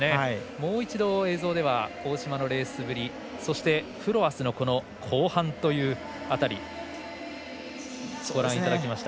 もう一度、映像では大島のレースぶりそして、フロアスの後半という辺りをご覧いただきました。